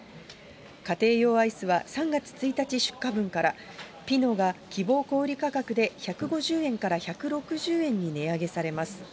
家庭用アイスは３月１日出荷分から、ピノが希望小売り価格で１５０円から１６０円に値上げされます。